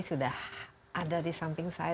sudah ada di samping saya